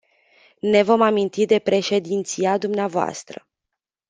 Ne vom aminti de președinția dvs.